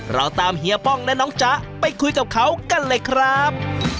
เราตามเฮียป้องและน้องจ๊ะไปคุยกับเขากันเลยครับ